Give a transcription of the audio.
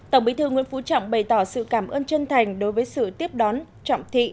tổng bí thư nguyễn phú trọng bày tỏ sự cảm ơn chân thành đối với sự tiếp đón trọng thị